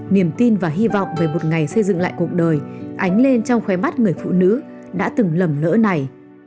niềm tin và hy vọng về một ngày xây dựng lại cuộc đời ánh lên trong khoe bắt người phụ nữ đã từng lầm lỡ này